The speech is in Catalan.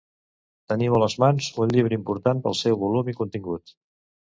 Teniu a les mans un llibre important pel seu volum i contingut